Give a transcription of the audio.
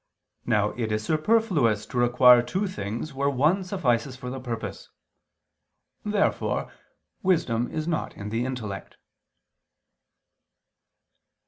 Now it is superfluous to require two things where one suffices for the purpose. Therefore wisdom is not in the intellect.